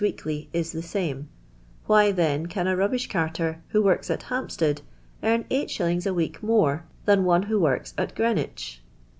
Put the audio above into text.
weekly, is the same; why, then, can a rubbish ciirter, who works at Hampstead, earn 8.9. a week more titan one who works at Cheenwich?